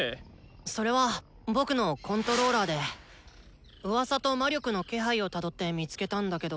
それは僕の「感覚強盗」でうわさと魔力の気配をたどって見つけたんだけど。